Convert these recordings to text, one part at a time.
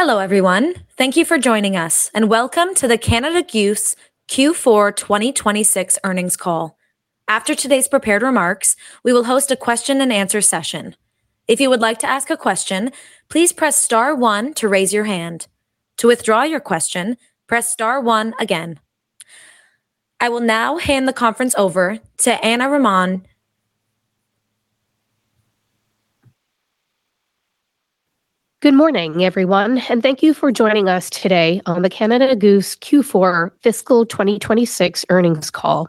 Hello, everyone. Thank you for joining us. Welcome to the Canada Goose Q4 2026 earnings call. After today's prepared remarks, we will host a question-and-answer session. If you would like to ask a question, please press star one to raise your hand. To withdraw your question, press star one again. I will now hand the conference over to Ana Raman. Good morning, everyone, and thank you for joining us today on the Canada Goose Q4 fiscal 2026 earnings call.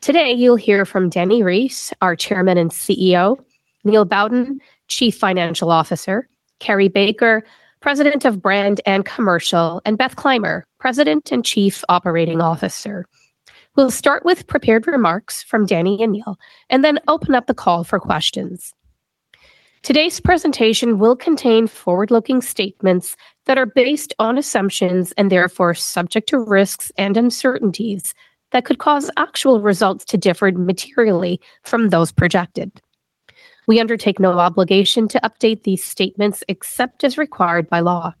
Today, you'll hear from Dani Reiss, our Chairman and CEO; Neil Bowden, Chief Financial Officer; Carrie Baker, President of Brand and Commercial; and Beth Clymer, President and Chief Operating Officer. We'll start with prepared remarks from Dani and Neil, and then open up the call for questions. Today's presentation will contain forward-looking statements that are based on assumptions, and therefore subject to risks and uncertainties that could cause actual results to differ materially from those projected. We undertake no obligation to update these statements except as required by law.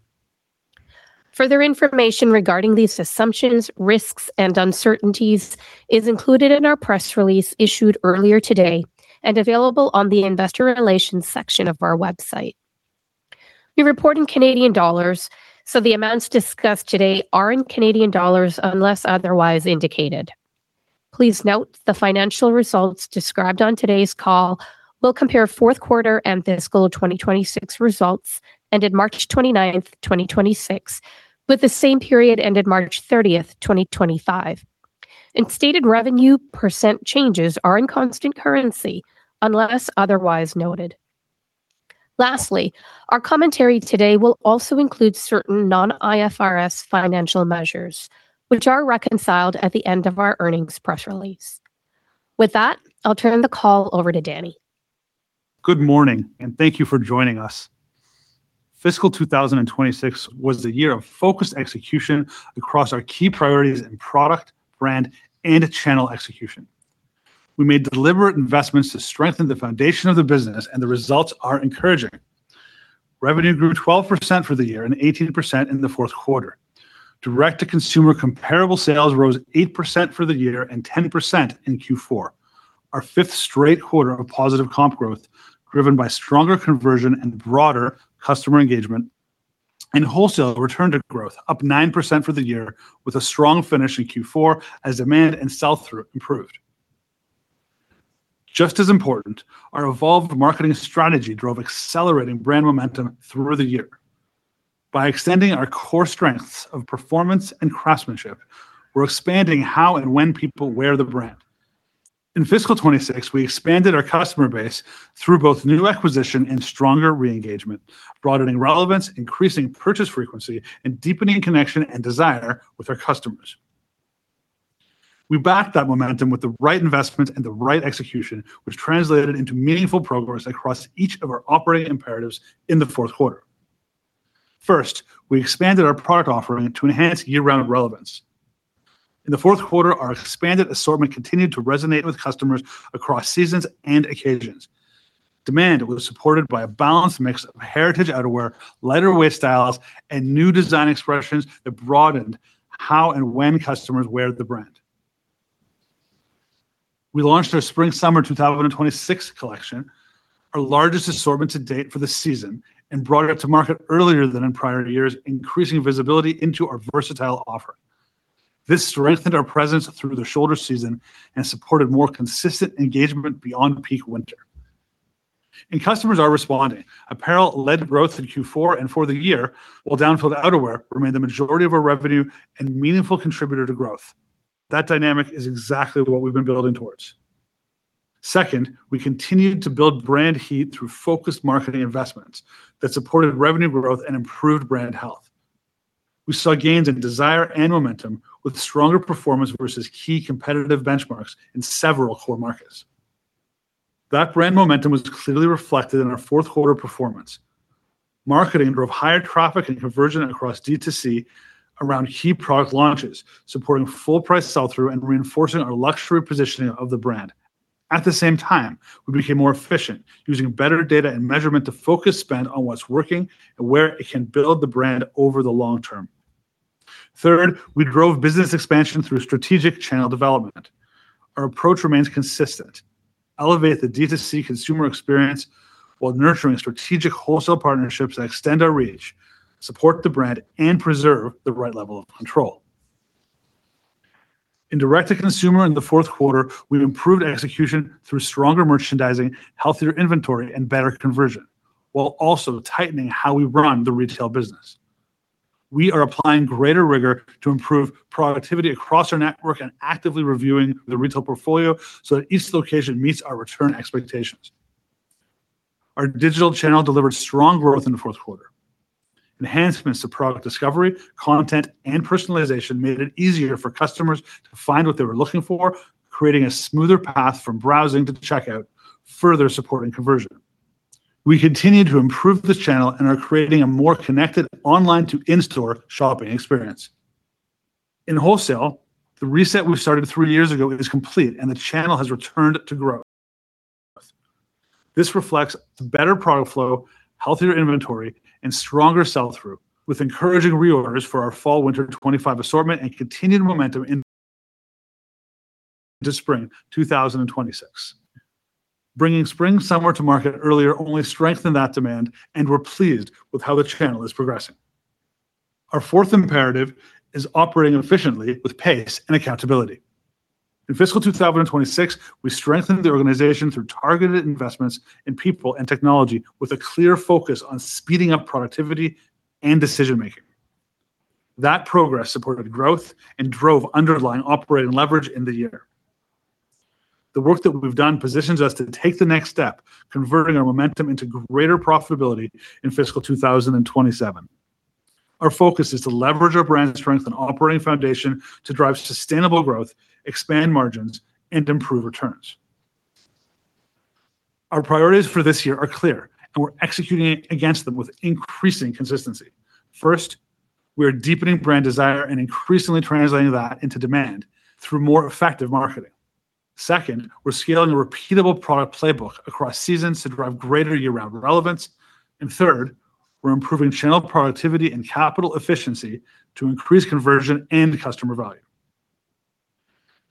Further information regarding these assumptions, risks, and uncertainties is included in our press release issued earlier today and available on the investor relations section of our website. We report in Canadian dollars. The amounts discussed today are in Canadian dollars unless otherwise indicated. Please note the financial results described on today's call will compare fourth quarter and fiscal 2026 results ended March 29th, 2026, with the same period ended March 30th, 2025, and stated revenue percent changes are in constant currency unless otherwise noted. Lastly, our commentary today will also include certain non-IFRS financial measures, which are reconciled at the end of our earnings press release. With that, I'll turn the call over to Dani. Good morning, and thank you for joining us. Fiscal 2026 was the year of focused execution across our key priorities in product, brand, and channel execution. We made deliberate investments to strengthen the foundation of the business, and the results are encouraging. Revenue grew 12% for the year and 18% in the fourth quarter. Direct-to-consumer comparable sales rose 8% for the year and 10% in Q4, our fifth straight quarter of positive comp growth driven by stronger conversion and broader customer engagement. Wholesale returned to growth, up 9% for the year with a strong finish in Q4 as demand and sell-through improved. Just as important, our evolved marketing strategy drove accelerating brand momentum through the year. By extending our core strengths of performance and craftsmanship, we're expanding how and when people wear the brand. In fiscal 2026, we expanded our customer base through both new acquisition and stronger re-engagement, broadening relevance, increasing purchase frequency, and deepening connection and desire with our customers. We backed that momentum with the right investment and the right execution, which translated into meaningful progress across each of our operating imperatives in the fourth quarter. First, we expanded our product offering to enhance year-round relevance. In the fourth quarter, our expanded assortment continued to resonate with customers across seasons and occasions. Demand was supported by a balanced mix of heritage outerwear, lighter weight styles, and new design expressions that broadened how and when customers wear the brand. We launched our spring/summer 2026 collection, our largest assortment to date for the season, and brought it to market earlier than in prior years, increasing visibility into our versatile offer. This strengthened our presence through the shoulder season and supported more consistent engagement beyond peak winter. Customers are responding. Apparel led growth in Q4 and for the year, while down-filled outerwear remained the majority of our revenue and meaningful contributor to growth. That dynamic is exactly what we've been building towards. Second, we continued to build brand heat through focused marketing investments that supported revenue growth and improved brand health. We saw gains in desire and momentum with stronger performance versus key competitive benchmarks in several core markets. That brand momentum was clearly reflected in our fourth quarter performance. Marketing drove higher traffic and conversion across D2C around key product launches, supporting full price sell-through and reinforcing our luxury positioning of the brand. At the same time, we became more efficient, using better data and measurement to focus spend on what's working and where it can build the brand over the long term. Third, we drove business expansion through strategic channel development. Our approach remains consistent. Elevate the D2C consumer experience while nurturing strategic wholesale partnerships that extend our reach, support the brand, and preserve the right level of control. In direct-to-consumer in the fourth quarter, we've improved execution through stronger merchandising, healthier inventory, and better conversion, while also tightening how we run the retail business. We are applying greater rigor to improve productivity across our network and actively reviewing the retail portfolio so that each location meets our return expectations. Our digital channel delivered strong growth in the fourth quarter. Enhancements to product discovery, content, and personalization made it easier for customers to find what they were looking for, creating a smoother path from browsing to checkout, further supporting conversion. We continue to improve this channel and are creating a more connected online to in-store shopping experience. In wholesale, the reset we started three years ago is complete, and the channel has returned to growth. This reflects better product flow, healthier inventory, and stronger sell-through with encouraging reorders for our Fall/Winter 2025 assortment and continued momentum in to spring 2026. Bringing spring/summer to market earlier only strengthened that demand, and we're pleased with how the channel is progressing. Our fourth imperative is operating efficiently with pace and accountability. In fiscal 2026, we strengthened the organization through targeted investments in people and technology with a clear focus on speeding up productivity and decision-making. That progress supported growth and drove underlying operating leverage in the year. The work that we've done positions us to take the next step, converting our momentum into greater profitability in fiscal 2027. Our focus is to leverage our brand strength and operating foundation to drive sustainable growth, expand margins, and improve returns. Our priorities for this year are clear, and we're executing against them with increasing consistency. First, we are deepening brand desire and increasingly translating that into demand through more effective marketing. Second, we're scaling a repeatable product playbook across seasons to drive greater year-round relevance. Third, we're improving channel productivity and capital efficiency to increase conversion and customer value.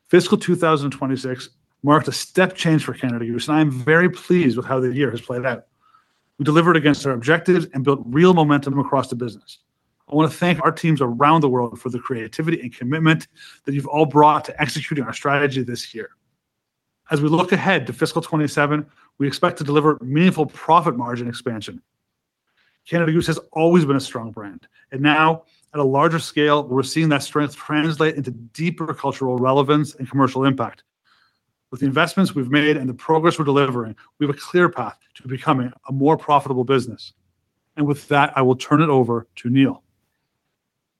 Fiscal 2026 marked a step change for Canada Goose, and I am very pleased with how the year has played out. We delivered against our objectives and built real momentum across the business. I wanna thank our teams around the world for the creativity and commitment that you've all brought to executing our strategy this year. As we look ahead to fiscal 2027, we expect to deliver meaningful profit margin expansion. Canada Goose has always been a strong brand. Now at a larger scale, we're seeing that strength translate into deeper cultural relevance and commercial impact. With the investments we've made and the progress we're delivering, we have a clear path to becoming a more profitable business. With that, I will turn it over to Neil.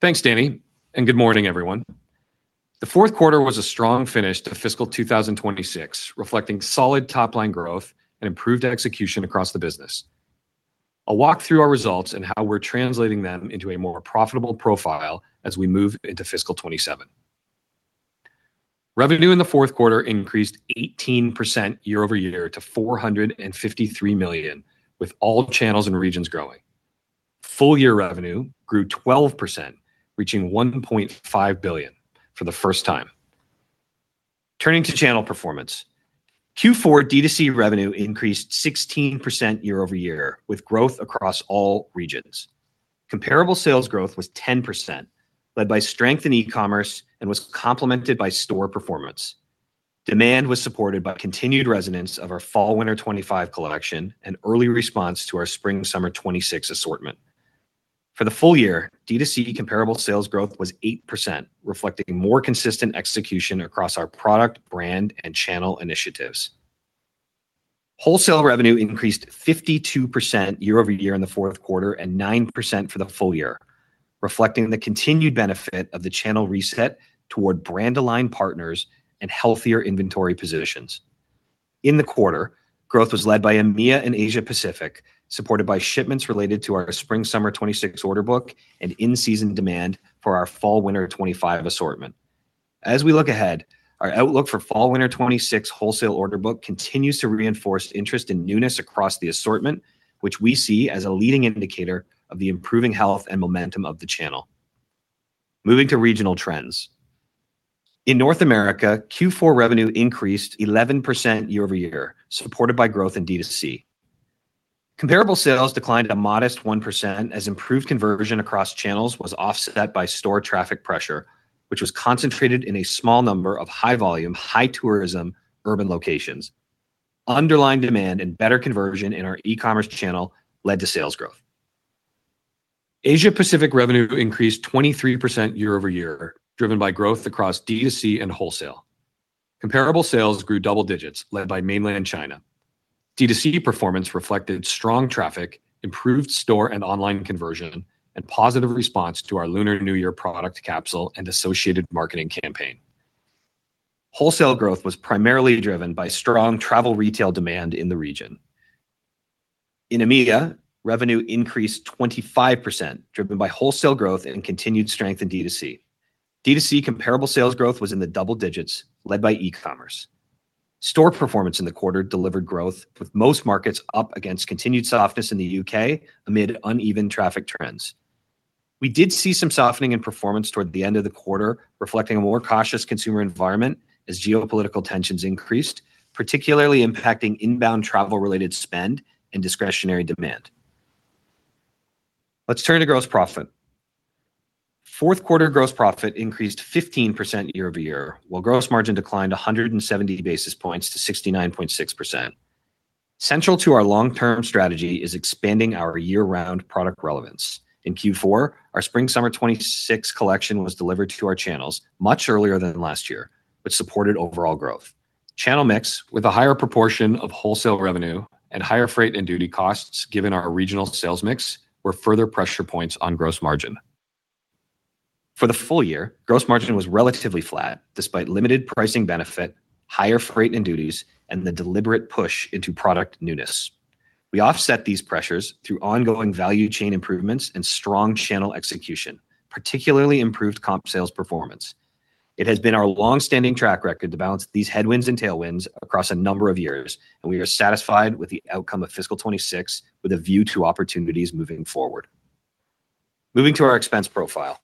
Thanks, Dani. Good morning, everyone. The fourth quarter was a strong finish to fiscal 2026, reflecting solid top-line growth and improved execution across the business. I'll walk through our results and how we're translating them into a more profitable profile as we move into fiscal 2027. Revenue in the fourth quarter increased 18% year-over-year to 453 million, with all channels and regions growing. Full year revenue grew 12%, reaching 1.5 billion for the first time. Turning to channel performance. Q4 D2C revenue increased 16% year-over-year, with growth across all regions. Comparable sales growth was 10%, led by strength in e-commerce and was complemented by store performance. Demand was supported by continued resonance of our Fall/Winter 2025 collection and early response to our Spring/Summer 2026 assortment. For the full year, D2C comparable sales growth was 8%, reflecting more consistent execution across our product, brand, and channel initiatives. Wholesale revenue increased 52% year-over-year in the fourth quarter and 9% for the full year, reflecting the continued benefit of the channel reset toward brand-aligned partners and healthier inventory positions. In the quarter, growth was led by EMEA and Asia Pacific, supported by shipments related to our Spring/Summer 2026 order book and in-season demand for our Fall/Winter 2025 assortment. As we look ahead, our outlook for Fall/Winter 2026 wholesale order book continues to reinforce interest in newness across the assortment, which we see as a leading indicator of the improving health and momentum of the channel. Moving to regional trends. In North America, Q4 revenue increased 11% year-over-year, supported by growth in D2C. Comparable sales declined a modest 1% as improved conversion across channels was offset by store traffic pressure, which was concentrated in a small number of high-volume, high-tourism urban locations. Underlying demand and better conversion in our e-commerce channel led to sales growth. Asia Pacific revenue increased 23% year-over-year, driven by growth across D2C and wholesale. Comparable sales grew double digits, led by Mainland China. D2C performance reflected strong traffic, improved store and online conversion, and positive response to our Lunar New Year product capsule and associated marketing campaign. Wholesale growth was primarily driven by strong travel retail demand in the region. In EMEA, revenue increased 25%, driven by wholesale growth and continued strength in D2C. D2C comparable sales growth was in the double digits, led by e-commerce. Store performance in the quarter delivered growth, with most markets up against continued softness in the U.K. amid uneven traffic trends. We did see some softening in performance toward the end of the quarter, reflecting a more cautious consumer environment as geopolitical tensions increased, particularly impacting inbound travel-related spend and discretionary demand. Let's turn to gross profit. Fourth quarter gross profit increased 15% year-over-year, while gross margin declined 170 basis points to 69.6%. Central to our long-term strategy is expanding our year-round product relevance. In Q4, our Spring/Summer 2026 collection was delivered to our channels much earlier than last year, which supported overall growth. Channel mix, with a higher proportion of wholesale revenue and higher freight and duty costs given our regional sales mix, were further pressure points on gross margin. For the full year, gross margin was relatively flat despite limited pricing benefit, higher freight and duties, and the deliberate push into product newness. We offset these pressures through ongoing value chain improvements and strong channel execution, particularly improved comp sales performance. It has been our longstanding track record to balance these headwinds and tailwinds across a number of years, and we are satisfied with the outcome of fiscal 2026 with a view to opportunities moving forward. Moving to our expense profile.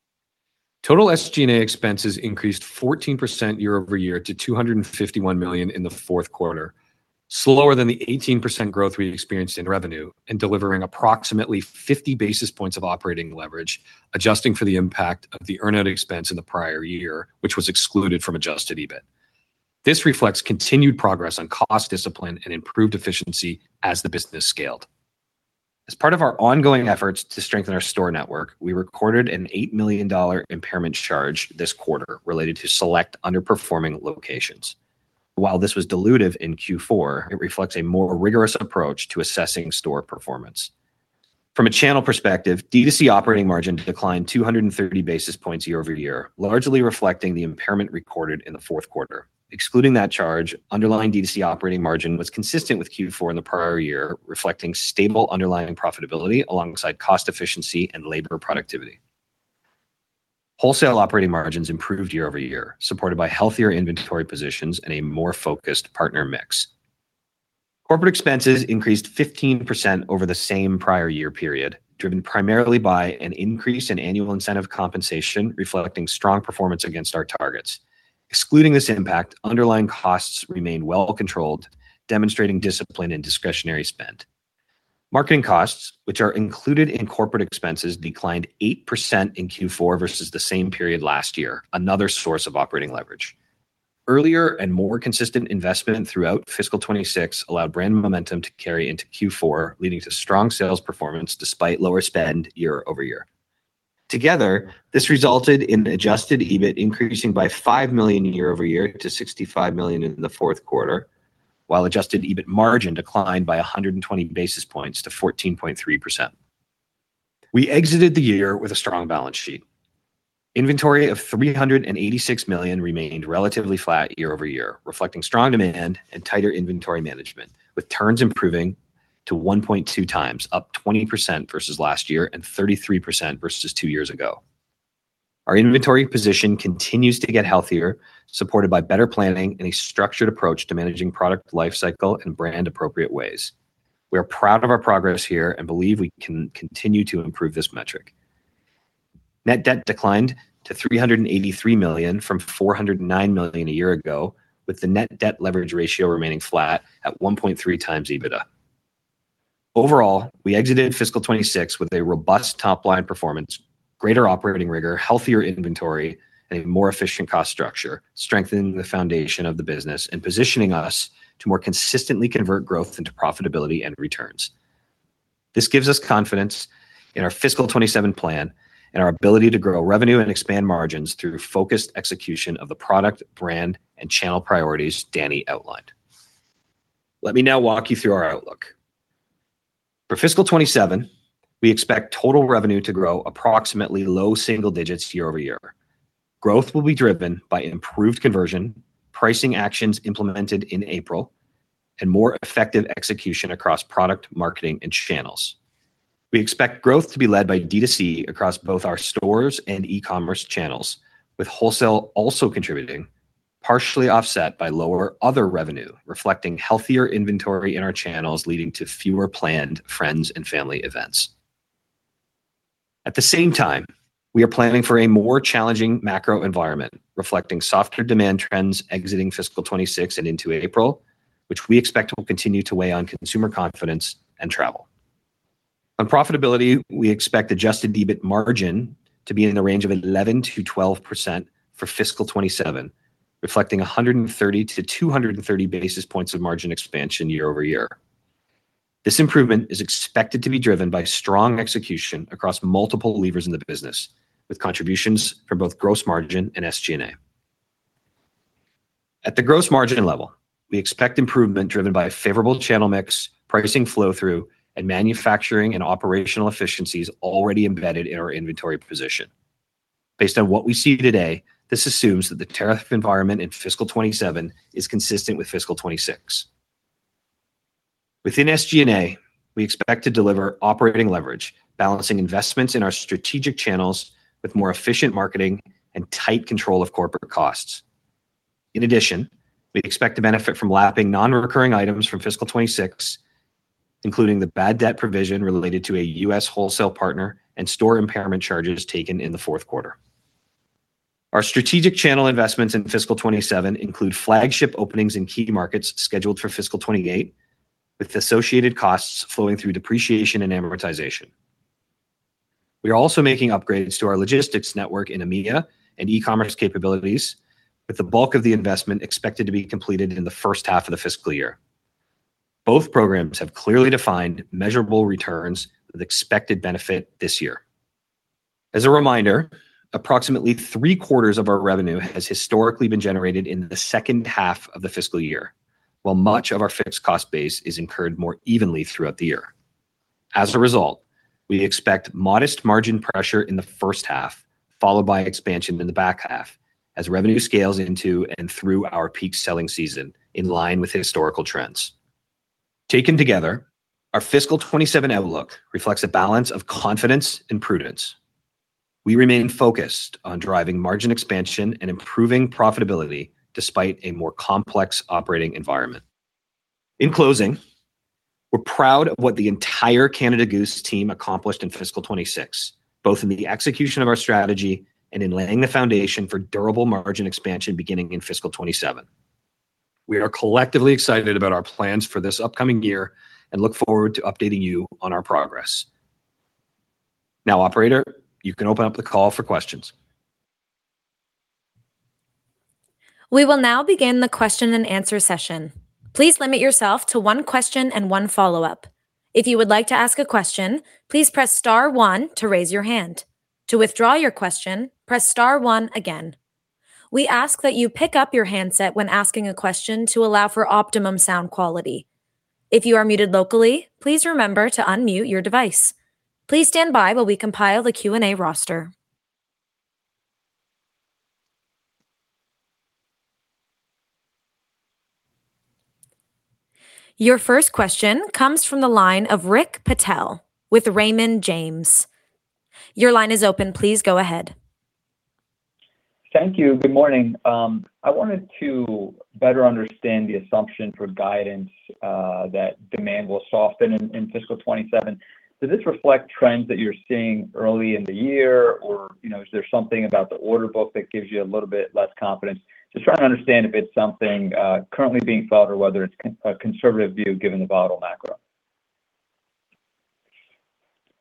Total SG&A expenses increased 14% year-over-year to 251 million in the fourth quarter, slower than the 18% growth we experienced in revenue and delivering approximately 50 basis points of operating leverage, adjusting for the impact of the earn-out expense in the prior year, which was excluded from adjusted EBIT. This reflects continued progress on cost discipline and improved efficiency as the business scaled. As part of our ongoing efforts to strengthen our store network, we recorded a 8 million dollar impairment charge this quarter related to select underperforming locations. While this was dilutive in Q4, it reflects a more rigorous approach to assessing store performance. From a channel perspective, D2C operating margin declined 230 basis points year-over-year, largely reflecting the impairment recorded in the fourth quarter. Excluding that charge, underlying D2C operating margin was consistent with Q4 in the prior year, reflecting stable underlying profitability alongside cost efficiency and labor productivity. Wholesale operating margins improved year-over-year, supported by healthier inventory positions and a more focused partner mix. Corporate expenses increased 15% over the same prior year period, driven primarily by an increase in annual incentive compensation reflecting strong performance against our targets. Excluding this impact, underlying costs remain well controlled, demonstrating discipline in discretionary spend. Marketing costs, which are included in corporate expenses, declined 8% in Q4 versus the same period last year, another source of operating leverage. Earlier and more consistent investment throughout fiscal 2026 allowed brand momentum to carry into Q4, leading to strong sales performance despite lower spend year-over-year. Together, this resulted in adjusted EBIT increasing by 5 million year-over-year to 65 million in the fourth quarter, while adjusted EBIT margin declined by 120 basis points to 14.3%. We exited the year with a strong balance sheet. Inventory of 386 million remained relatively flat year-over-year, reflecting strong demand and tighter inventory management, with turns improving to 1.2x, up 20% versus last year and 33% versus two years ago. Our inventory position continues to get healthier, supported by better planning and a structured approach to managing product lifecycle in brand-appropriate ways. We are proud of our progress here and believe we can continue to improve this metric. Net debt declined to 383 million from 409 million a year ago, with the net debt leverage ratio remaining flat at 1.3x EBITDA. Overall, we exited fiscal 2026 with a robust top-line performance, greater operating rigor, healthier inventory, and a more efficient cost structure, strengthening the foundation of the business and positioning us to more consistently convert growth into profitability and returns. This gives us confidence in our fiscal 2027 plan and our ability to grow revenue and expand margins through focused execution of the product, brand, and channel priorities Dani outlined. Let me now walk you through our outlook. For fiscal 2027, we expect total revenue to grow approximately low single digits year-over-year. Growth will be driven by improved conversion, pricing actions implemented in April, and more effective execution across product, marketing, and channels. We expect growth to be led by D2C across both our stores and e-commerce channels, with wholesale also contributing, partially offset by lower other revenue, reflecting healthier inventory in our channels leading to fewer planned friends and family events. At the same time, we are planning for a more challenging macro environment, reflecting softer demand trends exiting fiscal 2026 and into April, which we expect will continue to weigh on consumer confidence and travel. On profitability, we expect adjusted EBIT margin to be in the range of 11%-12% for fiscal 2027, reflecting 130-230 basis points of margin expansion year-over-year. This improvement is expected to be driven by strong execution across multiple levers in the business, with contributions from both gross margin and SG&A. At the gross margin level, we expect improvement driven by a favorable channel mix, pricing flow-through, and manufacturing and operational efficiencies already embedded in our inventory position. Based on what we see today, this assumes that the tariff environment in fiscal 2027 is consistent with fiscal 2026. Within SG&A, we expect to deliver operating leverage, balancing investments in our strategic channels with more efficient marketing and tight control of corporate costs. In addition, we expect to benefit from lapping non-recurring items from fiscal 2026, including the bad debt provision related to a U.S. wholesale partner and store impairment charges taken in the fourth quarter. Our strategic channel investments in fiscal 2027 include flagship openings in key markets scheduled for fiscal 2028, with associated costs flowing through depreciation and amortization. We are also making upgrades to our logistics network in EMEA and e-commerce capabilities, with the bulk of the investment expected to be completed in the first half of the fiscal year. Both programs have clearly defined measurable returns with expected benefit this year. As a reminder, approximately three-quarters of our revenue has historically been generated in the second half of the fiscal year, while much of our fixed cost base is incurred more evenly throughout the year. As a result, we expect modest margin pressure in the first half, followed by expansion in the back half, as revenue scales into and through our peak selling season, in line with historical trends. Taken together, our fiscal 2027 outlook reflects a balance of confidence and prudence. We remain focused on driving margin expansion and improving profitability despite a more complex operating environment. In closing, we're proud of what the entire Canada Goose team accomplished in fiscal 2026, both in the execution of our strategy and in laying the foundation for durable margin expansion beginning in fiscal 2027. We are collectively excited about our plans for this upcoming year and look forward to updating you on our progress. Now, operator, you can open up the call for questions. We will now begin the question-and-answer session. Please limit yourself to one question and one follow-up. If you would like to ask a question, please press star one to raise your hand. To withdraw your question, press star one again. We ask that you pick up your handset when asking a question to allow for optimum sound quality. If you are muted locally, please remember to unmute your device. Please stand by while we compile the Q&A roster. Your first question comes from the line of Rick Patel with Raymond James. Your line is open. Please go ahead. Thank you. Good morning. I wanted to better understand the assumption for guidance that demand will soften in fiscal 2027. Does this reflect trends that you're seeing early in the year? You know, is there something about the order book that gives you a little bit less confidence? Just trying to understand if it's something currently being felt or whether it's a conservative view given the volatile macro.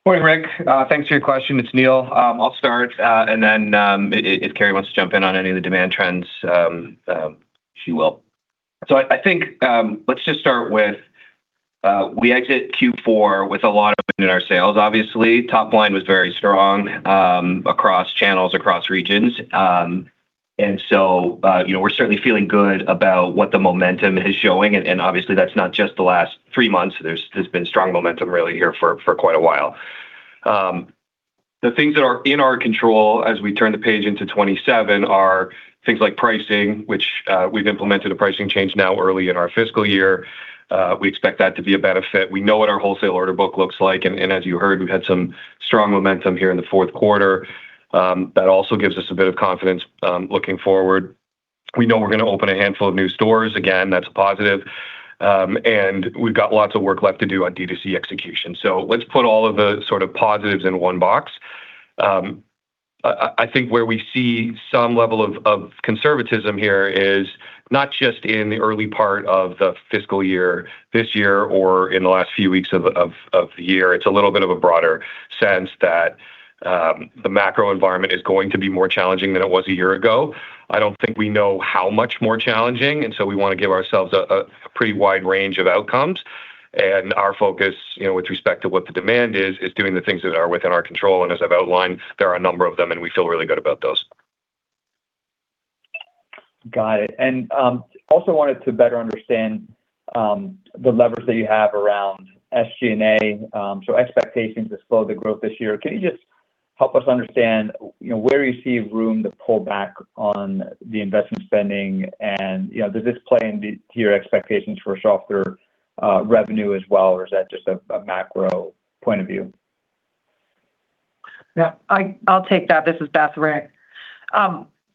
Morning, Rick. Thanks for your question. It's Neil. I'll start, and then, if Carrie wants to jump in on any of the demand trends, she will. I think, let's just start with, we exit Q4 with a lot of wind in our sales. Obviously, top line was very strong, across channels, across regions. You know, we're certainly feeling good about what the momentum is showing and, obviously that's not just the last three months. There's been strong momentum really here for quite a while. The things that are in our control as we turn the page into 2027 are things like pricing, which, we've implemented a pricing change now early in our fiscal year. We expect that to be a benefit. We know what our wholesale order book looks like, as you heard, we've had some strong momentum here in the fourth quarter. That also gives us a bit of confidence looking forward. We know we're going to open a handful of new stores. Again, that's a positive. We've got lots of work left to do on D2C execution. Let's put all of the sort of positives in one box. I think where we see some level of conservatism here is not just in the early part of the fiscal year this year or in the last few weeks of the year. It's a little bit of a broader sense that the macro environment is going to be more challenging than it was a year ago. I don't think we know how much more challenging. We wanna give ourselves a pretty wide range of outcomes. Our focus, you know, with respect to what the demand is doing the things that are within our control. As I've outlined, there are a number of them, and we feel really good about those. Got it. Also wanted to better understand the levers that you have around SG&A, so expectations to slow the growth this year. Can you just help us understand, you know, where you see room to pull back on the investment spending? You know, does this play into your expectations for softer revenue as well, or is that just a macro point of view? Yeah. I'll take that. This is Beth, Rick.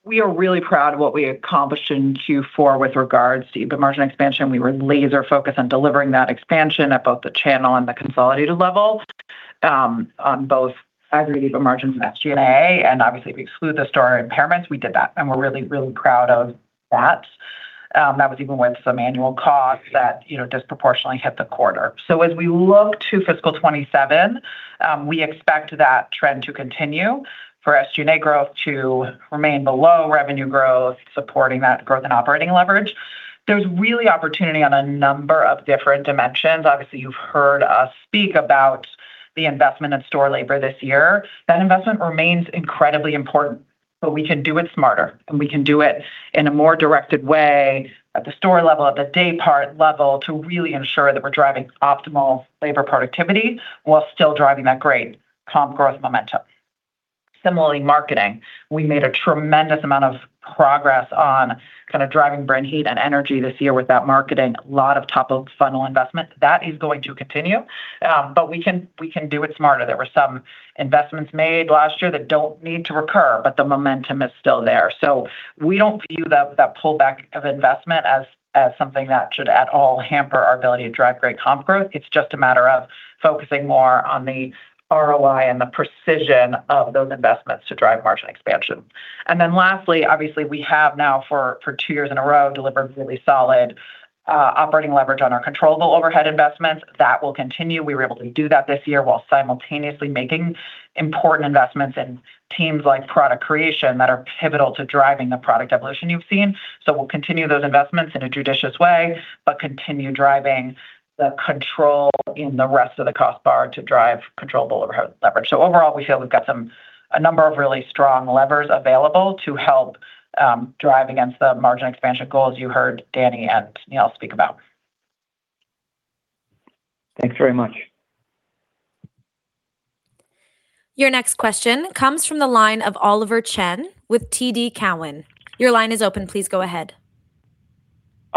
We are really proud of what we accomplished in Q4 with regards to EBIT margin expansion. We were laser focused on delivering that expansion at both the channel and the consolidated level, on both operating margins and SG&A. Obviously, if we exclude the store impairments, we did that, and we're really proud of that. That was even with some annual costs that, you know, disproportionately hit the quarter. As we look to fiscal 2027, we expect that trend to continue for SG&A growth to remain below revenue growth, supporting that growth in operating leverage. There's really opportunity on a number of different dimensions. Obviously, you've heard us speak about the investment in store labor this year. That investment remains incredibly important, but we can do it smarter, and we can do it in a more directed way at the store level, at the day part level to really ensure that we're driving optimal labor productivity while still driving that great comp growth momentum. Similarly, marketing. We made a tremendous amount of progress on kinda driving brand heat and energy this year with that marketing. A lot of top-of-funnel investment. That is going to continue, but we can do it smarter. There were some investments made last year that don't need to recur, but the momentum is still there. We don't view that pullback of investment as something that should at all hamper our ability to drive great comp growth. It's just a matter of focusing more on the ROI and the precision of those investments to drive margin expansion. Lastly, obviously, we have now for two years in a row delivered really solid operating leverage on our controllable overhead investments. That will continue. We were able to do that this year while simultaneously making important investments in teams like product creation that are pivotal to driving the product evolution you've seen. We'll continue those investments in a judicious way, but continue driving the control in the rest of the cost bar to drive controllable overhead leverage. Overall, we feel we've got a number of really strong levers available to help drive against the margin expansion goals you heard Dani and Neil speak about. Thanks very much. Your next question comes from the line of Oliver Chen with TD Cowen. Your line is open. Please go ahead.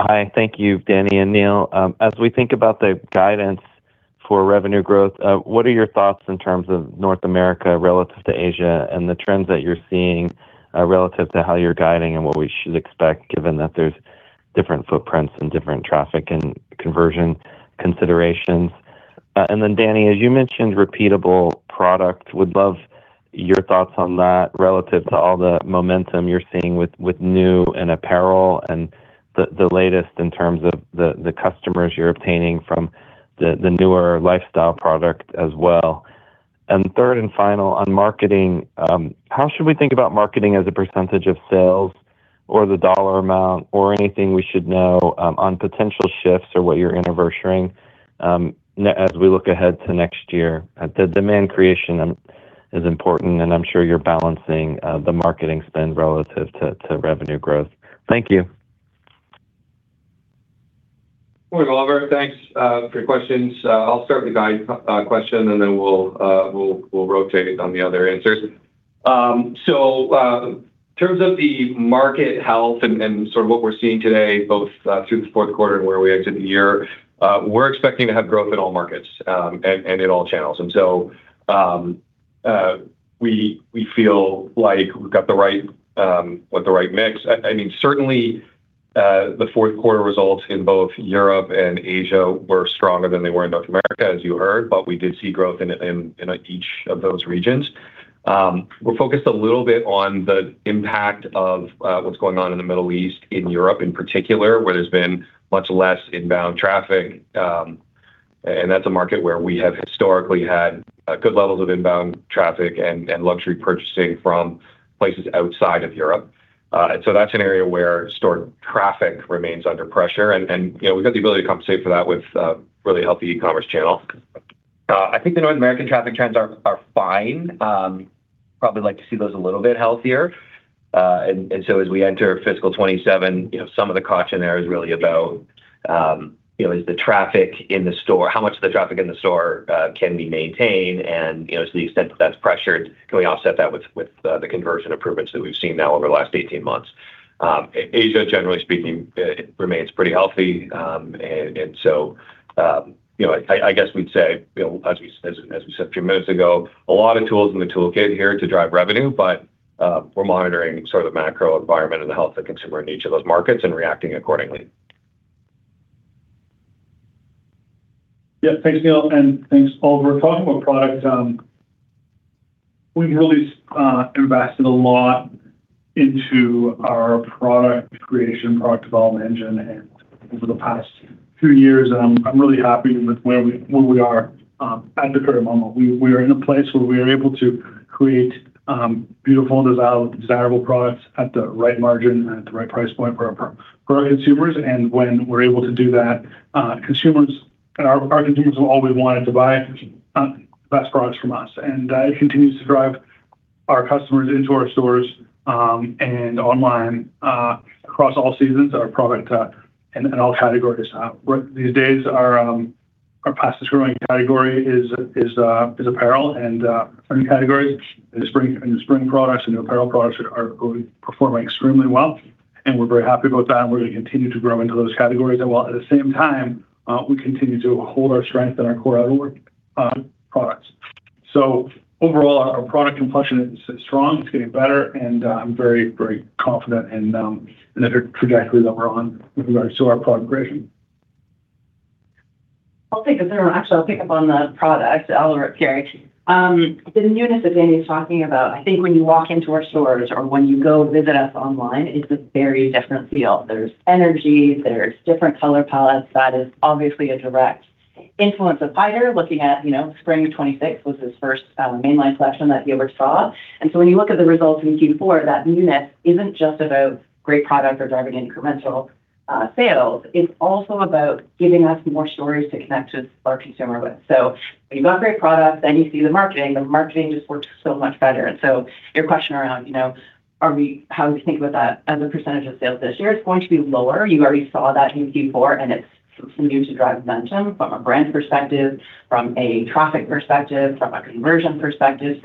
Hi. Thank you, Dani and Neil. As we think about the guidance for revenue growth, what are your thoughts in terms of North America relative to Asia and the trends that you're seeing, relative to how you're guiding and what we should expect, given that there's different footprints and different traffic and conversion considerations? Then Dani, as you mentioned, repeatable product, would love your thoughts on that relative to all the momentum you're seeing with new and apparel and the latest in terms of the customers you're obtaining from the newer lifestyle product as well. Third and final, on marketing, how should we think about marketing as a percentage of sales or the dollar amount or anything we should know, on potential shifts or what you're anniversarying, as we look ahead to next year? The demand creation is important, and I'm sure you're balancing the marketing spend relative to revenue growth. Thank you. Well, Oliver, thanks for your questions. I'll start with the guide question and then we'll rotate on the other answers. In terms of the market health and sort of what we're seeing today, both through the fourth quarter and where we exit the year, we're expecting to have growth in all markets and in all channels. We feel like we've got the right with the right mix. I mean, certainly, the fourth quarter results in both Europe and Asia were stronger than they were in North America, as you heard, but we did see growth in each of those regions. We're focused a little bit on the impact of what's going on in the Middle East, in Europe in particular, where there's been much less inbound traffic. That's a market where we have historically had good levels of inbound traffic and luxury purchasing from places outside of Europe. That's an area where store traffic remains under pressure and, you know, we've got the ability to compensate for that with really healthy e-commerce channel. I think the North American traffic trends are fine. Probably like to see those a little bit healthier. As we enter fiscal 2027, you know, some of the caution there is really about, you know, is the traffic in the store, how much of the traffic in the store can we maintain? You know, to the extent that that's pressured, can we offset that with the conversion improvements that we've seen now over the last 18 months? Asia, generally speaking, remains pretty healthy. You know, I guess we'd say, you know, as we said a few minutes ago, a lot of tools in the toolkit here to drive revenue, but we're monitoring sort of the macro environment and the health of consumer in each of those markets and reacting accordingly. Yeah. Thanks, Neil, and thanks, Oliver. Talking about product, we've really invested a lot into our product creation, product development engine and over the past two years, I'm really happy with where we are at the current moment. We are in a place where we are able to create beautiful and desirable products at the right margin and at the right price point for our consumers. When we're able to do that, consumers, our consumers will always be wanting to buy best products from us. It continues to drive our customers into our stores and online across all seasons, our product and all categories. Where these days our fastest-growing category is apparel and spring categories and spring products and new apparel products are going performing extremely well, and we're very happy about that, and we're gonna continue to grow into those categories. While at the same time, we continue to hold our strength in our core outdoor products. Overall, our product complexion is strong. It's getting better and I'm very, very confident in the trajectory that we're on with regards to our product progression. I'll pick up on the product, Oliver up here. The newness that Dani's talking about, I think when you walk into our stores or when you go visit us online, it's a very different feel. There's energy, there's different color palettes. That is obviously a direct influence of Haider. Looking at, you know, Spring/Summer 2026 was his first mainline collection that he oversaw. When you look at the results in Q4, that newness isn't just about great product or driving incremental sales. It's also about giving us more stories to connect with our consumer with. When you've got great products, then you see the marketing. The marketing just works so much better. Your question around, you know, how do we think about that as a percentage of sales this year? It's going to be lower. You already saw that in Q4, and it's continuing to drive momentum from a brand perspective, from a traffic perspective, from a conversion perspective.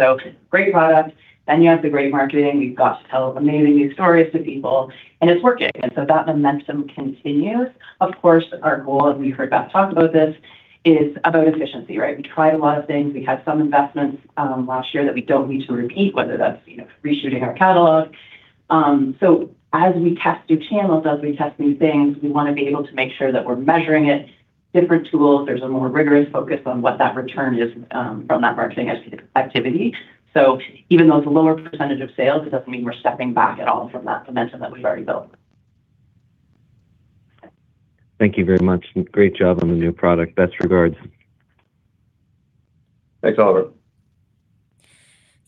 Great product, then you have the great marketing. We've got to tell amazing new stories to people, and it's working. That momentum continues. Of course, our goal, and we heard Beth talk about this, is about efficiency, right? We tried a lot of things. We had some investments last year that we don't need to repeat, whether that's, you know, reshooting our catalog. As we test new channels, as we test new things, we wanna be able to make sure that we're measuring it. Different tools, there's a more rigorous focus on what that return is from that marketing activity. Even though it's a lower percentage of sales, it doesn't mean we're stepping back at all from that momentum that we've already built. Thank you very much, and great job on the new product. Best regards. Thanks, Oliver.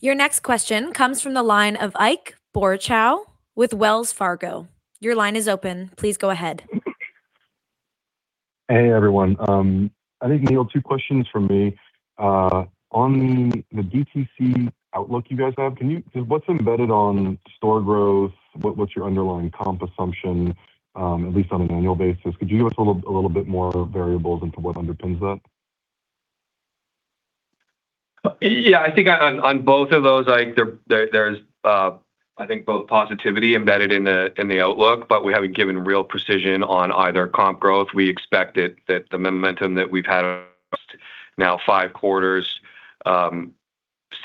Your next question comes from the line of Ike Boruchow with Wells Fargo. Your line is open. Please go ahead. Hey, everyone. I think, Neil, two questions from me. On the DTC outlook you guys have, what's embedded on store growth? What's your underlying comp assumption, at least on an annual basis? Could you give us a little bit more variables into what underpins that? Yeah, I think on both of those, like, there's, I think both positivity embedded in the, in the outlook, but we haven't given real precision on either comp growth. We expect it that the momentum that we've had now five quarters,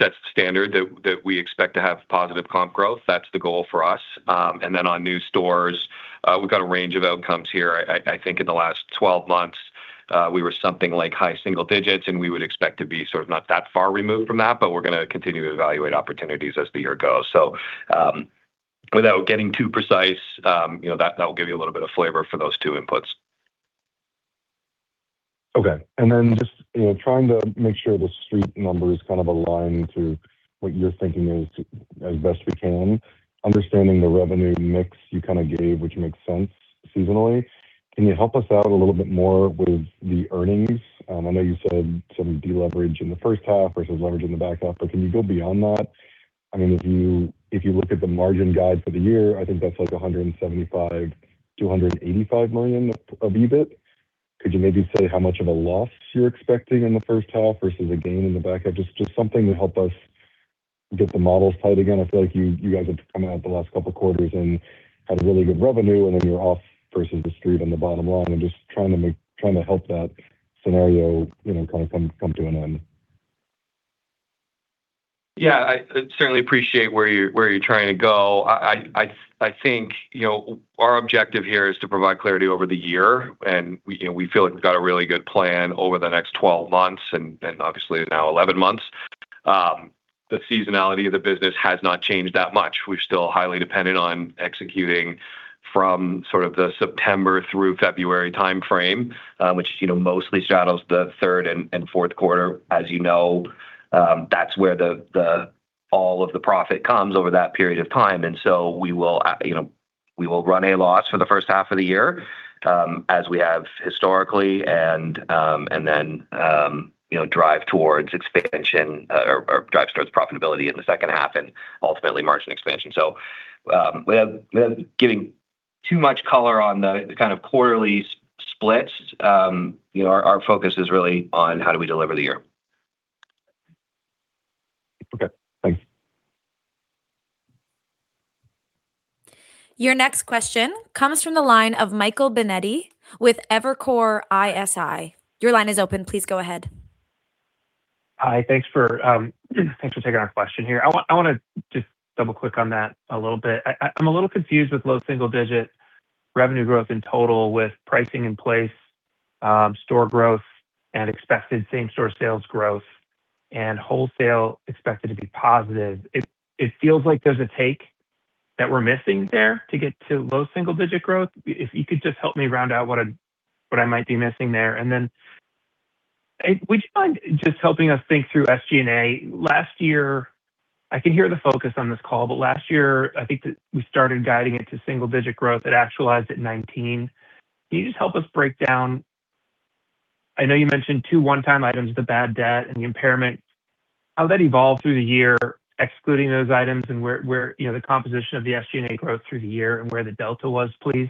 sets the standard that we expect to have positive comp growth. That's the goal for us. And then on new stores, we've got a range of outcomes here. I think in the last 12 months, we were something like high single digits, and we would expect to be sort of not that far removed from that, but we're gonna continue to evaluate opportunities as the year goes. Without getting too precise, you know, that will give you a little bit of flavor for those two inputs. Just, you know, trying to make sure the street numbers kind of align to what you're thinking, as best we can. Understanding the revenue mix you kind of gave, which makes sense seasonally, can you help us out a little bit more with the earnings? I know you said some deleverage in the first half versus leverage in the back half, can you go beyond that? I mean, if you look at the margin guide for the year, I think that's like 175 million-185 million of EBIT. Could you maybe say how much of a loss you're expecting in the first half versus a gain in the back half? Just something to help us get the models tight again. I feel like you guys have come out the last couple of quarters and had really good revenue, and then you're off versus the street on the bottom line. I'm just trying to help that scenario, you know, kind of come to an end. Yeah. I certainly appreciate where you're trying to go. I think, you know, our objective here is to provide clarity over the year, and we, you know, we feel like we've got a really good plan over the next 12 months and obviously now 11 months. The seasonality of the business has not changed that much. We're still highly dependent on executing from sort of the September through February timeframe, which, you know, mostly shadows the third and fourth quarter. As you know, that's where all of the profit comes over that period of time. We will, you know, we will run a loss for the first half of the year, as we have historically, and then, you know, drive towards expansion or drive towards profitability in the second half and ultimately margin expansion. Without giving too much color on the kind of quarterly splits, you know, our focus is really on how do we deliver the year. Okay. Thanks. Your next question comes from the line of Michael Binetti with Evercore ISI. Your line is open. Please go ahead. Hi. Thanks for taking our question here. I wanna just double-click on that a little bit. I'm a little confused with low single digit revenue growth in total with pricing in place, store growth and expected same store sales growth and wholesale expected to be positive. It feels like there's a take that we're missing there to get to low single digit growth. If you could just help me round out what I might be missing there. Then would you mind just helping us think through SG&A? I can hear the focus on this call, last year, I think that we started guiding it to single digit growth. It actualized at 19. Can you just help us break down, I know you mentioned two one-time items, the bad debt and the impairment. How that evolved through the year, excluding those items and where, you know, the composition of the SG&A growth through the year and where the delta was, please?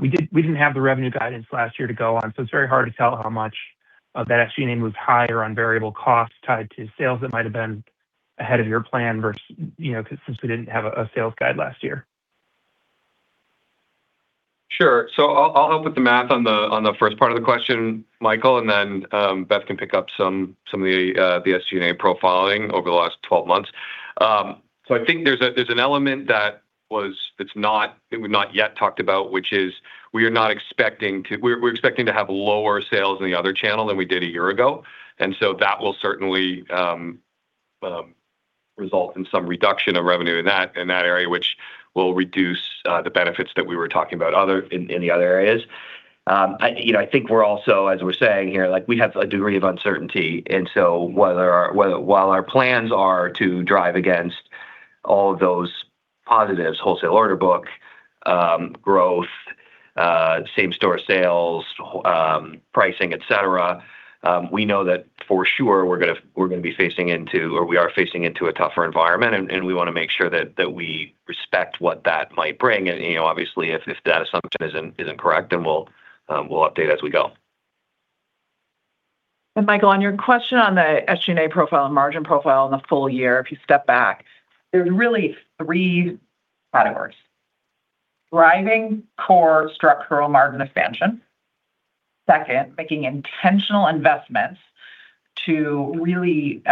We didn't have the revenue guidance last year to go on, so it's very hard to tell how much of that SG&A moves higher on variable costs tied to sales that might have been ahead of your plan versus, you know, 'cause since we didn't have a sales guide last year. Sure. I'll help with the math on the first part of the question, Michael, and then Beth can pick up some of the SG&A profiling over the last 12 months. I think there's an element that's not yet talked about, which is we're expecting to have lower sales in the other channel than we did a year ago. That will certainly result in some reduction of revenue in that area, which will reduce the benefits that we were talking about in the other areas. I, you know, I think we're also, as we're saying here, like, we have a degree of uncertainty. While our plans are to drive against all of those positives, wholesale order book, growth, same store sales, pricing, etc, we know that for sure we're gonna be facing into, or we are facing into a tougher environment, and we wanna make sure that we respect what that might bring. You know, obviously, if that assumption isn't correct, then we'll update as we go. Michael, on your question on the SG&A profile and margin profile in the full year, if you step back, there's really three categories. Driving core structural margin expansion. Second, making intentional investments to really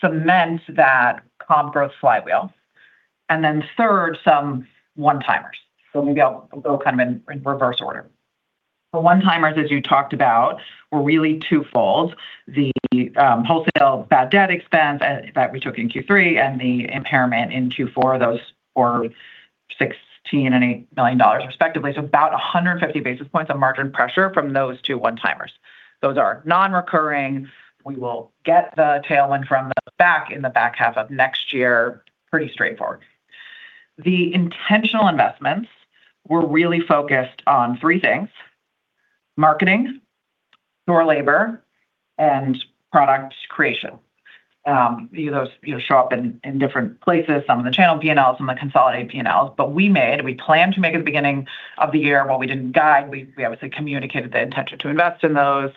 cement that comp growth flywheel. Then third, some one-timers. Maybe I'll go kind of in reverse order. The one-timers, as you talked about, were really two-fold. The wholesale bad debt expense that we took in Q3 and the impairment in Q4, those were 16 million and 8 million dollars respectively. About 150 basis points of margin pressure from those two one-timers. Those are non-recurring. We will get the tailwind from the back in the back half of next year. Pretty straightforward. The intentional investments were really focused on three things: marketing, store labor, and product creation. You know, those, you know, show up in different places, some of the channel P&Ls and the consolidated P&Ls. We made, we planned to make at the beginning of the year, and while we didn't guide, we obviously communicated the intention to invest in those.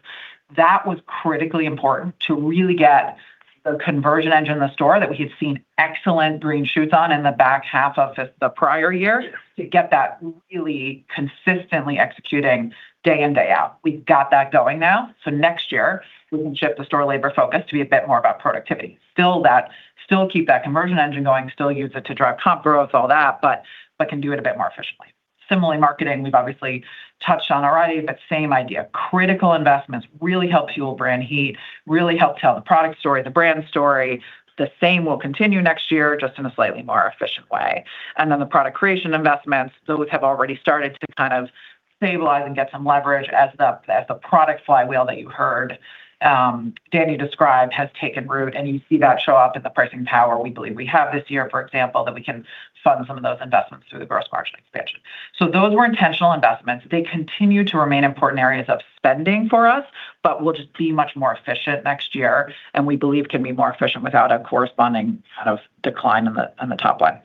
That was critically important to really get the conversion engine in the store that we had seen excellent green shoots on in the back half of the prior year, to get that really consistently executing day in, day out. We've got that going now, next year we can shift the store labor focus to be a bit more about productivity. Still keep that conversion engine going, still use it to drive comp growth, all that, but can do it a bit more efficiently. Similarly, marketing, we've obviously touched on already, same idea. Critical investments really help fuel brand heat, really help tell the product story, the brand story. The same will continue next year, just in a slightly more efficient way. The product creation investments, those have already started to kind of stabilize and get some leverage as the product flywheel that you heard Dani describe has taken root, and you see that show up in the pricing power we believe we have this year. For example, that we can fund some of those investments through the gross margin expansion. Those were intentional investments. They continue to remain important areas of spending for us, but we'll just be much more efficient next year, and we believe can be more efficient without a corresponding kind of decline in the top line.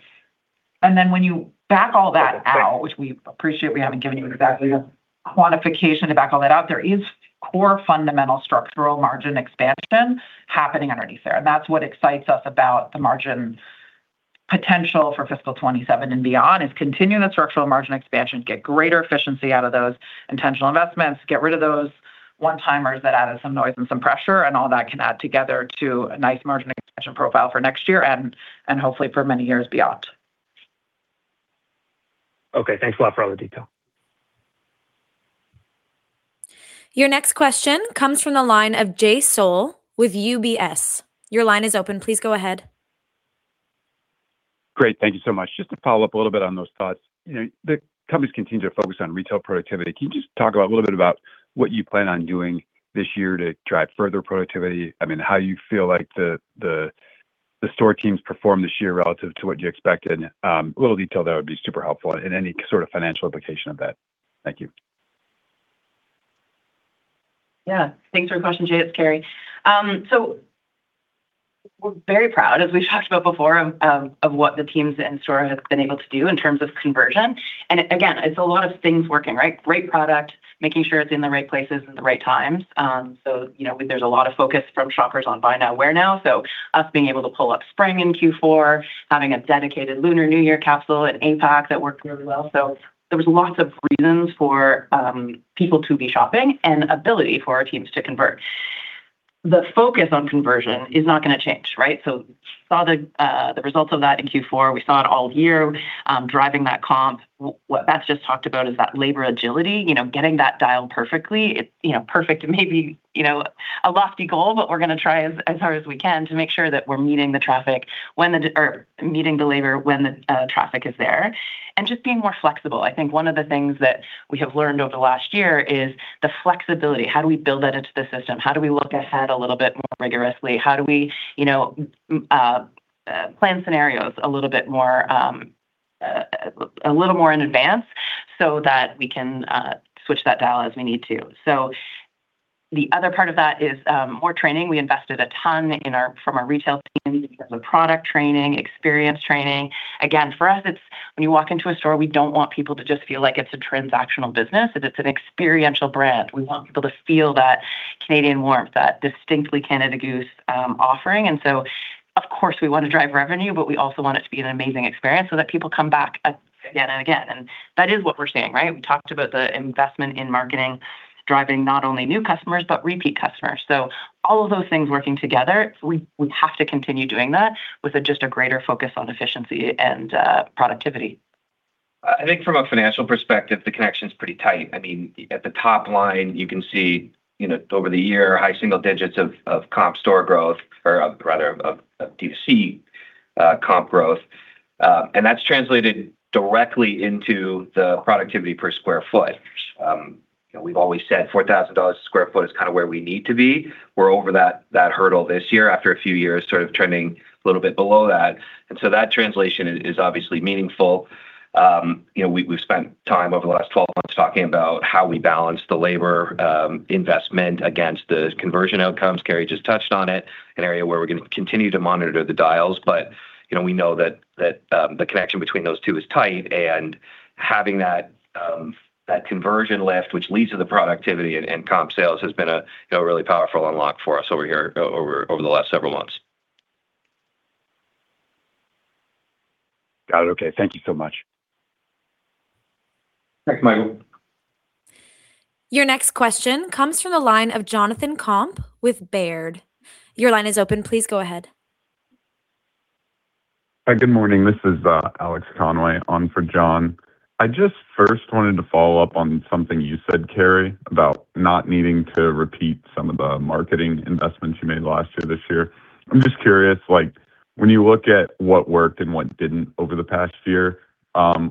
When you back all that out, which we appreciate we haven't given you exactly a quantification to back all that out, there is core fundamental structural margin expansion happening underneath there. That's what excites us about the margin potential for fiscal 2027 and beyond, is continuing the structural margin expansion, get greater efficiency out of those intentional investments, get rid of those one-timers that added some noise and some pressure. All that can add together to a nice margin expansion profile for next year and hopefully for many years beyond. Okay. Thanks a lot for all the detail. Your next question comes from the line of Jay Sole with UBS. Great. Thank you so much. Just to follow up a little bit on those thoughts. You know, the company's continued to focus on retail productivity. Can you just talk a little bit about what you plan on doing this year to drive further productivity? I mean, how you feel like the store teams performed this year relative to what you expected? A little detail there would be super helpful and any sort of financial implication of that. Thank you. Yeah. Thanks for the question, Jay. It's Carrie. We're very proud, as we've talked about before, of what the teams in store have been able to do in terms of conversion. Again, it's a lot of things working, right. Great product, making sure it's in the right places at the right times. You know, there's a lot of focus from shoppers on buy now, wear now. Us being able to pull up spring in Q4, having a dedicated Lunar New Year capsule at APAC that worked really well. There was lots of reasons for people to be shopping and ability for our teams to convert. The focus on conversion is not gonna change, right. Saw the results of that in Q4. We saw it all year driving that comp. What Beth's just talked about is that labor agility, you know, getting that dialed perfectly. It's, you know, perfect may be, you know, a lofty goal, but we're gonna try as hard as we can to make sure that we're meeting the traffic when the or meeting the labor when the traffic is there and just being more flexible. I think one of the things that we have learned over the last year is the flexibility. How do we build that into the system? How do we look ahead a little bit more rigorously? How do we, you know, plan scenarios a little bit more, a little more in advance so that we can switch that dial as we need to? The other part of that is more training. We invested a ton from our retail team in terms of product training, experience training. Again, for us, it's when you walk into a store, we don't want people to just feel like it's a transactional business. It is an experiential brand. We want people to feel that Canadian warmth, that distinctly Canada Goose offering. Of course, we wanna drive revenue, but we also want it to be an amazing experience so that people come back again and again. That is what we're seeing, right? We talked about the investment in marketing, driving not only new customers, but repeat customers. All of those things working together, we have to continue doing that with a just a greater focus on efficiency and productivity. I think from a financial perspective, the connection's pretty tight. I mean, at the top line, you can see, you know, over the year, high single digits of comp store growth or rather of DTC comp growth. That's translated directly into the productivity per square foot. You know, we've always said 4,000 dollars a square foot is kinda where we need to be. We're over that hurdle this year after a few years sort of trending a little bit below that. That translation is obviously meaningful. You know, we've spent time over the last 12 months talking about how we balance the labor investment against the conversion outcomes. Carrie just touched on it, an area where we're gonna continue to monitor the dials. You know, we know that the connection between those two is tight, and having that conversion lift, which leads to the productivity and comp sales, has been a really powerful unlock for us over here over the last several months. Got it. Okay. Thank you so much. Thanks, Michael. Your next question comes from the line of Jonathan Komp with Baird. Your line is open. Please go ahead. Hi, good morning. This is Alex Conway on for John. I just first wanted to follow up on something you said, Carrie, about not needing to repeat some of the marketing investments you made last year, this year. I'm just curious, like, when you look at what worked and what didn't over the past year,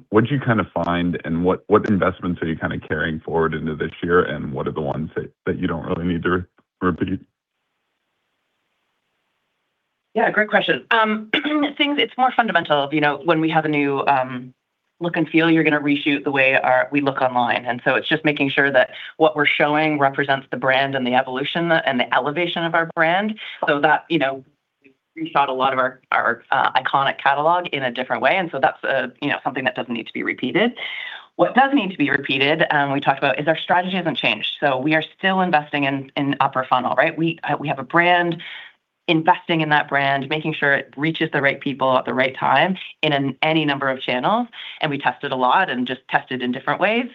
what'd you kinda find, and what investments are you kinda carrying forward into this year, and what are the ones that you don't really need to re-repeat? Yeah, great question. It's more fundamental. You know, when we have a new look and feel, you're gonna reshoot the way we look online. It's just making sure that what we're showing represents the brand and the evolution and the elevation of our brand so that, you know, we reshot a lot of our iconic catalog in a different way, and so that's, you know, something that doesn't need to be repeated. What does need to be repeated, we talked about, is our strategy hasn't changed. We are still investing in upper funnel, right? We have a brand, investing in that brand, making sure it reaches the right people at the right time in any number of channels. We test it a lot and just test it in different ways.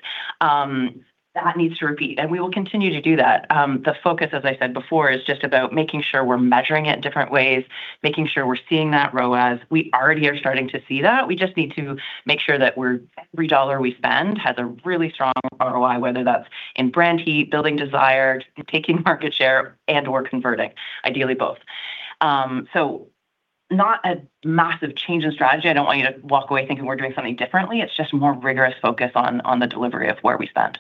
That needs to repeat. We will continue to do that. The focus, as I said before, is just about making sure we're measuring it different ways, making sure we're seeing that ROAS. We already are starting to see that. We just need to make sure that every CAD 1 we spend has a really strong ROI, whether that's in brand heat, building desire, taking market share, and/or converting. Ideally, both. Not a massive change in strategy. I don't want you to walk away thinking we're doing something differently. It's just more rigorous focus on the delivery of where we spend.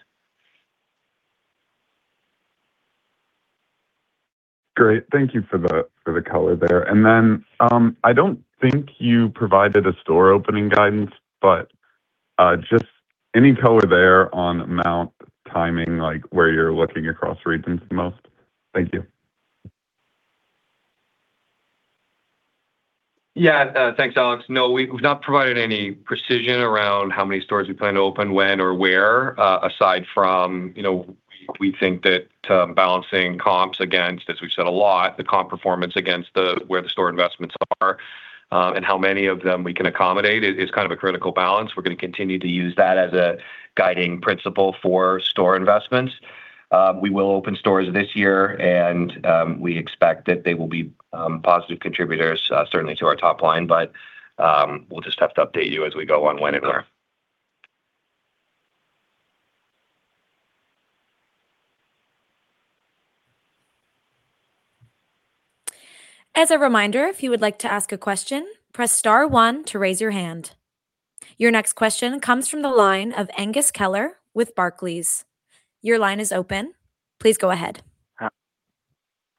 Great. Thank you for the, for the color there. I don't think you provided a store opening guidance, just any color there on amount, timing, like where you're looking across regions the most? Thank you. Yeah. Thanks, Alex. We've not provided any precision around how many stores we plan to open, when or where, aside from, you know, we think that balancing comps against, as we've said a lot, the comp performance against the, where the store investments are, and how many of them we can accommodate is kind of a critical balance. We're gonna continue to use that as a guiding principle for store investments. We will open stores this year and we expect that they will be positive contributors, certainly to our top line, but we'll just have to update you as we go on when and where. Your next question comes from the line of Angus Kelleher with Barclays.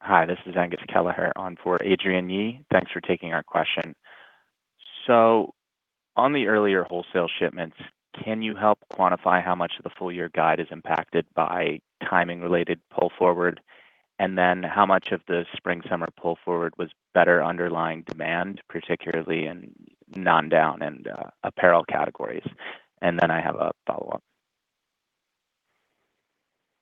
Hi, this is Angus Kelleher on for Adrienne Yih. Thanks for taking our question. On the earlier wholesale shipments, can you help quantify how much of the full year guide is impacted by timing related pull forward? How much of the spring/summer pull forward was better underlying demand, particularly in non-down and apparel categories? I have a follow-up.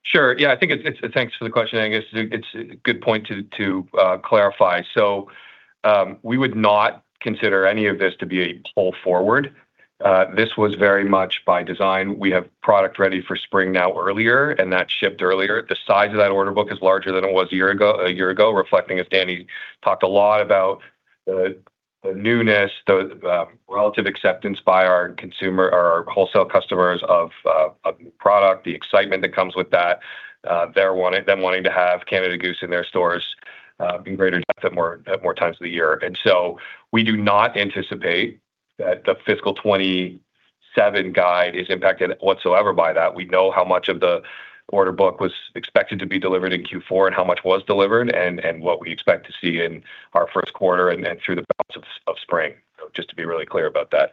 Sure. Thanks for the question, Angus. It's a good point to clarify. We would not consider any of this to be a pull forward. This was very much by design. We have product ready for spring now earlier, and that shipped earlier. The size of that order book is larger than it was a year ago, reflecting, as Dani talked a lot about, the newness, the relative acceptance by our consumer or our wholesale customers of a product, the excitement that comes with that. They're wanting to have Canada Goose in their stores in greater depth at more times of the year. We do not anticipate that the fiscal 2027 guide is impacted whatsoever by that. We know how much of the order book was expected to be delivered in Q4 and how much was delivered and what we expect to see in our first quarter and through the balance of spring. Just to be really clear about that.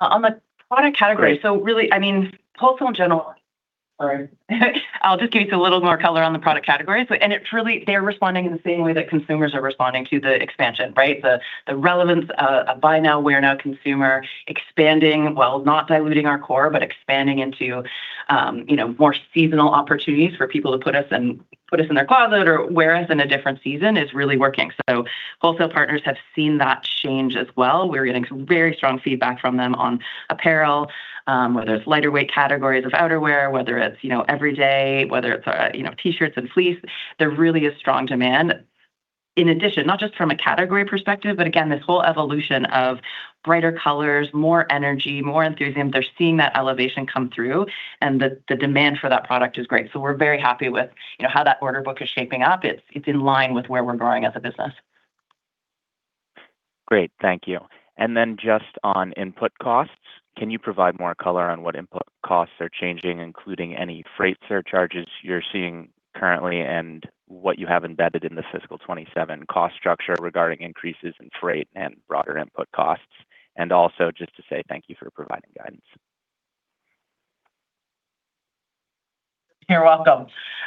On the product category. Great. Really, I mean, wholesale in general. Sorry. I'll just give you a little more color on the product categories. It's really, they're responding in the same way that consumers are responding to the expansion, right? The relevance of a buy now, wear now consumer expanding, while not diluting our core, but expanding into, you know, more seasonal opportunities for people to put us in their closet or wear us in a different season is really working. Wholesale partners have seen that change as well. We're getting some very strong feedback from them on apparel, whether it's lighter weight categories of outerwear, whether it's, you know, everyday, whether it's, you know, T-shirts and fleece. There really is strong demand. In addition, not just from a category perspective, but again, this whole evolution of brighter colors, more energy, more enthusiasm. They're seeing that elevation come through, and the demand for that product is great. We're very happy with, you know, how that order book is shaping up. It's, it's in line with where we're growing as a business. Great. Thank you. Then just on input costs, can you provide more color on what input costs are changing, including any freight surcharges you're seeing currently and what you have embedded in the fiscal 2027 cost structure regarding increases in freight and broader input costs? Also just to say thank you for providing guidance. You're welcome.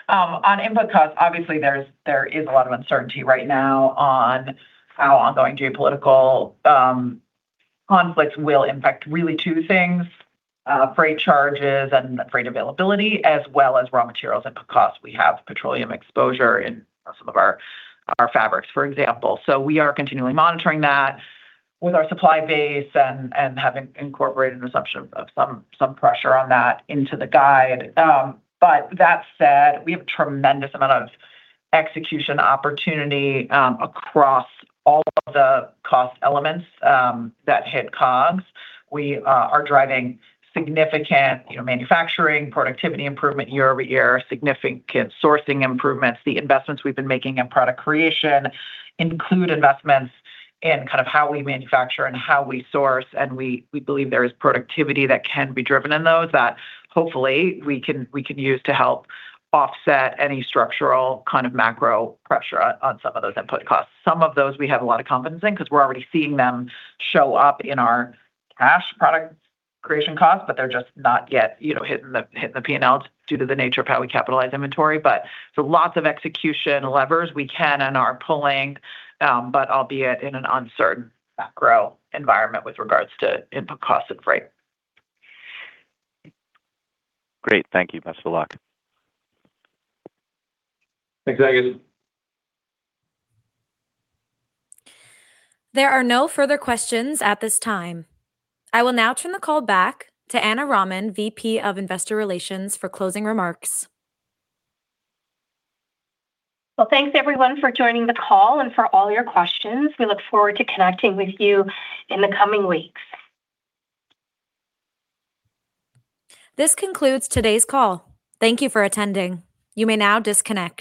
On input costs, obviously, there is a lot of uncertainty right now on how ongoing geopolitical conflicts will impact really two things, freight charges and freight availability, as well as raw materials and costs. We have petroleum exposure in some of our fabrics, for example. We are continually monitoring that with our supply base and having incorporated an assumption of some pressure on that into the guide. That said, we have a tremendous amount of execution opportunity across all of the cost elements that hit COGS. We are driving significant, you know, manufacturing, productivity improvement year-over-year, significant sourcing improvements. The investments we've been making in product creation include investments in kind of how we manufacture and how we source, and we believe there is productivity that can be driven in those that hopefully we can use to help offset any structural kind of macro pressure on some of those input costs. Some of those we have a lot of confidence in because we're already seeing them show up in our cash product creation costs, but they're just not yet, you know, hitting the P&L due to the nature of how we capitalize inventory. Lots of execution levers we can and are pulling, but albeit in an uncertain macro environment with regards to input costs and freight. Great. Thank you. Best of luck. Thanks, Angus. There are no further questions at this time. I will now turn the call back to Ana Raman, VP of Investor Relations, for closing remarks. Thanks everyone for joining the call and for all your questions. We look forward to connecting with you in the coming weeks. This concludes today's call. Thank you for attending. You may now disconnect.